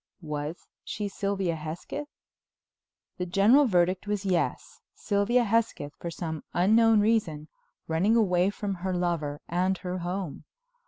Was she Sylvia Hesketh? The general verdict was yes—Sylvia Hesketh, for some unknown reason, running away from her lover and her home.